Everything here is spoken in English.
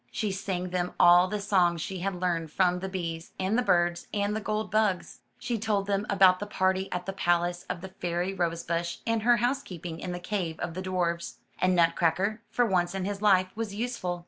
She sang them all the songs she had learned from the bees, and the birds, and the gold bugs. She told them about the party at the palace of the Fairy Rose bush, and her housekeeping in the cave of the dwarfs. And Nutcracker, for once in his life, was useful.